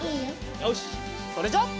よしそれじゃあ。